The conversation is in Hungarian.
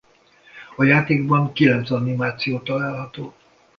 A játékban kilenc animáció található.